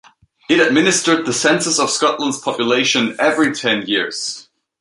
It administered the census of Scotland's population every ten years.